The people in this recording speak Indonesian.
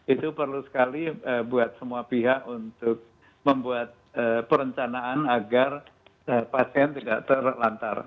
itu perlu sekali buat semua pihak untuk membuat perencanaan agar pasien tidak terlantar